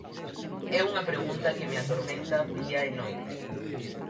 É unha pregunta que me atormenta día e noite.